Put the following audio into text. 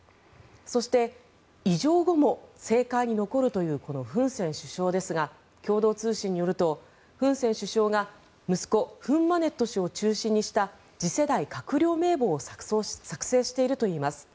そして、委譲後も政界に残るというフン・セン首相ですが共同通信によるとフン・セン首相が息子フン・マネット氏を中心にした次世代閣僚名簿を作成しているといいます。